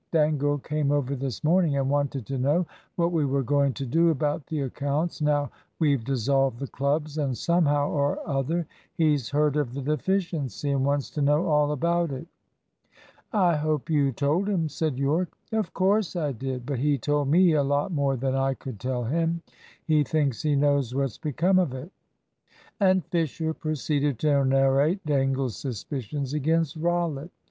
Dangle came over this morning, and wanted to know what we were going to do about the accounts, now we've dissolved the clubs; and somehow or other he's heard of the deficiency, and wants to know all about it." "I hope you told him," said Yorke. "Of course I did; but he told me a lot more than I could tell him. He thinks he knows what's become of it." And Fisher proceeded to narrate Dangle's suspicions against Rollitt.